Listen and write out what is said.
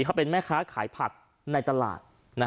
เขาเป็นแม่ค้าขายผักในตลาด